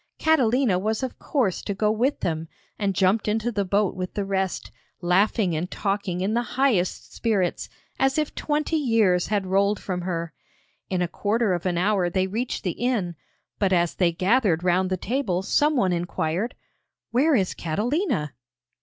Catalina was of course to go with them, and jumped into the boat with the rest, laughing and talking in the highest spirits as if twenty years had rolled from her. In a quarter of an hour they reached the inn, but as they gathered round the table, someone inquired: 'Where is Catalina?'